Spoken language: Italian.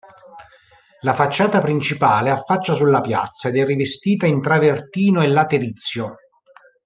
La facciata principale affaccia sulla piazza ed è rivestita in travertino e laterizio.